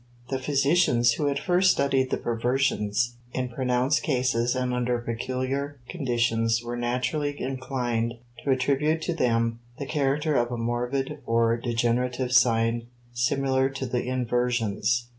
* The physicians who at first studied the perversions in pronounced cases and under peculiar conditions were naturally inclined to attribute to them the character of a morbid or degenerative sign similar to the inversions.